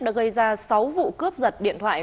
đã gây ra sáu vụ cướp giật điện thoại